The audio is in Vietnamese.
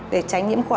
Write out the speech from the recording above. để tránh nhiễm khuẩn